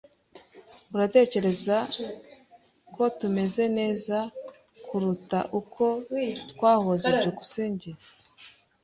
Uratekereza ko tumeze neza kuruta uko twahoze? byukusenge